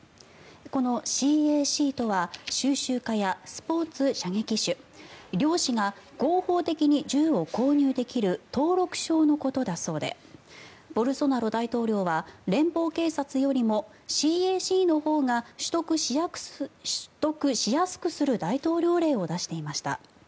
このＣＡＣとは収集家やスポーツ射撃手、猟師が合法的に銃を購入できる登録証のことだそうでボルソナロ大統領は連邦警察よりもＣＡＣのほうが取得しやすくする大統領令を出していました。